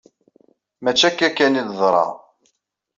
Mačči akka kan i d-teḍra.